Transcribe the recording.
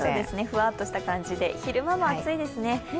ふわっとした感じで、昼間も暑いですね。